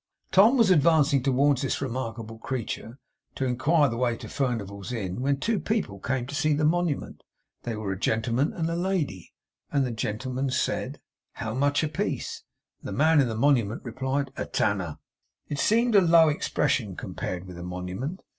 Tom was advancing towards this remarkable creature, to inquire the way to Furnival's Inn, when two people came to see the Monument. They were a gentleman and a lady; and the gentleman said, 'How much a piece?' The Man in the Monument replied, 'A Tanner.' It seemed a low expression, compared with the Monument.